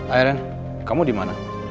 airen kamu dimana